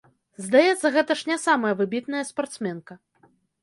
Здаецца, гэта ж не самая выбітная спартсменка.